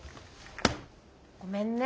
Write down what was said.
ごめんね。